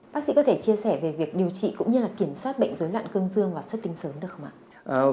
bác sĩ có thể chia sẻ về việc điều trị cũng như kiểm soát bệnh dối loạn cương dương và xuất tinh sớm được không ạ